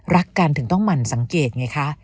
รักกันถึงต้องหมั่นสังเกตไงคะ